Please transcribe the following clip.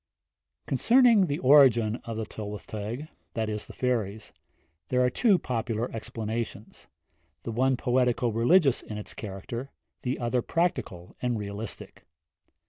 I. Concerning the origin of the Tylwyth Teg, there are two popular explanations, the one poetico religious in its character, the other practical and realistic.